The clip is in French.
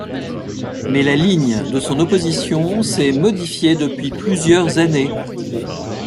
Mais la ligne de son opposition s'est modifiée depuis plusieurs années.